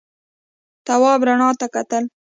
تواب رڼا ته کتل.